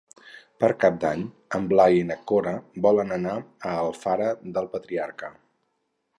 Per Cap d'Any en Blai i na Cora volen anar a Alfara del Patriarca.